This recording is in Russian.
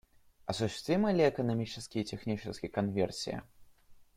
Осуществима ли экономически и технически конверсия?